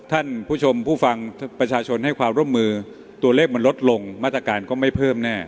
ท่านผู้ชมผู้ฟังประชาชนให้ความร่วมมือตัวเลขมันลดลงมาตรการก็ไม่เพิ่มแน่